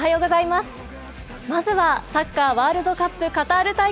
まずはサッカーワールドカップカ